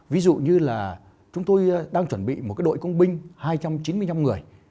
ví dụ như là chúng tôi đang chuẩn bị một đội công binh hai trăm chín mươi năm người